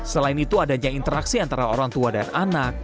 selain itu adanya interaksi antara orang tua dan anak